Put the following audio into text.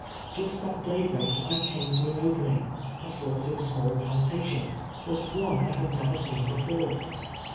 Just at day break I caiue to an opening — a sort of small plantation — but one I had never seen before.